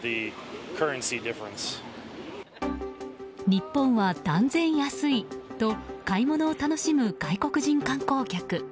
日本は断然安いと買い物を楽しむ外国人観光客。